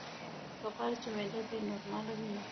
که غواړې چې معده دې نورماله وي نو: